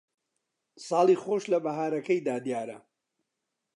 ساڵی خۆش لە بەھارەکەیدا دیارە